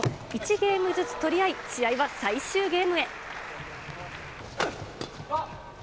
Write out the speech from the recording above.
ゲームずつ取り合い、試合は最終ゲームへ。